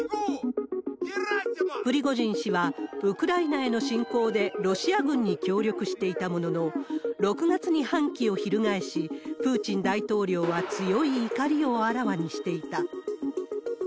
プリゴジン氏は、ウクライナへの侵攻でロシア軍に協力していたものの、６月に反旗を翻し、プーチン大統領は強い怒りをあらわにしていた。